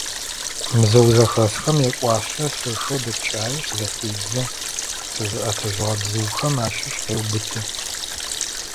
Бзыу зэхэсхэм якӏуашъэ, лъэшэу дэпкӏаешъ, захедзэ, зызыӏэтыжьыгъэ бзыухэм ащыщ къеубыты.